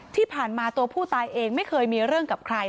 ที่ผ่านมาตัวผู้ตายเองไม่เคยมีเรื่องกับใคร